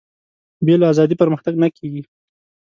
بې له ازادي پرمختګ نه کېږي.